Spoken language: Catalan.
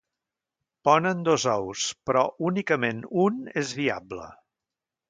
Ponen dos ous, però únicament un és viable.